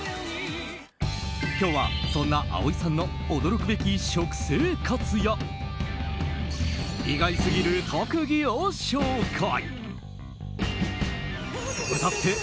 今日は、そんな蒼井さんの驚くべき食生活や意外すぎる特技を紹介。